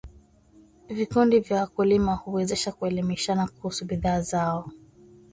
Vikundi vya wakulima huwezesha kuelimishana kuhusu bidhaa zao